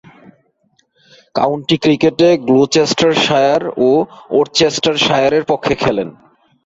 County ক্রিকেটে Gloucestershire ও ওরচেস্টারশায়ারের পক্ষে খেলেন।